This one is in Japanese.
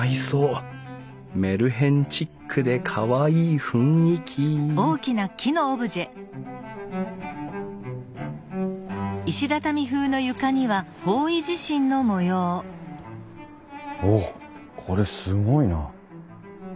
メルヘンチックでかわいい雰囲気おっこれすごいな。